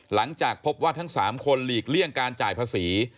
หลังจากพบว่าทั้ง๓คนหลีกเลี่ยงการจ่ายภาษี